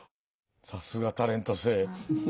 さすがタレント性。